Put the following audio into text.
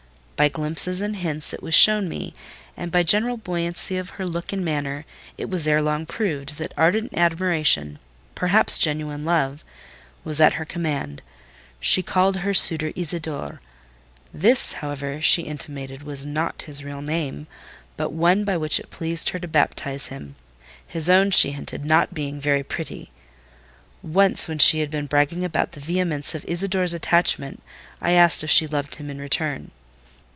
By glimpses and hints it was shown me, and by the general buoyancy of her look and manner it was ere long proved, that ardent admiration—perhaps genuine love—was at her command. She called her suitor "Isidore:" this, however, she intimated was not his real name, but one by which it pleased her to baptize him—his own, she hinted, not being "very pretty." Once, when she had been bragging about the vehemence of "Isidore's" attachment, I asked if she loved him in return.